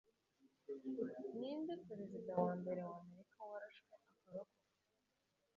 Ninde Perezida wa mbere w’Amerika warashwe akarokoka